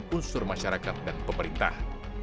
ini adalah unsur masyarakat dan pemerintah